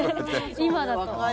今だと。